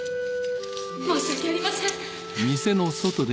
申し訳ありません！